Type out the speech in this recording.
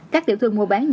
các tiểu thương mua bán nhỏ